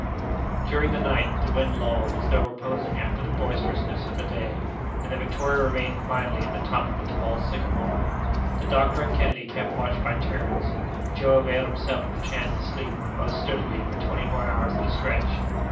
During the night the wind lulled as though reposing after the boisterousness of the day, and the Victoria remained quietly at the top of the tall sycamore. The doctor and Kennedy kept watch by turns, and Joe availed himself of the chance to sleep most sturdily for twenty four hours at a stretch.